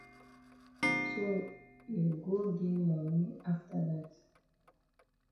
So you go gi moni na afta.